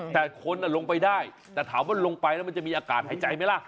แต่คนลงไปได้แต่ถามว่าลงไปแล้วมันจะมีอากาศหายใจไหมล่ะ